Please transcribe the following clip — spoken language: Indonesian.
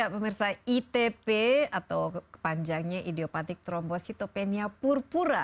pemirsa itp atau kepanjangnya idiopatik trombositopenia purpura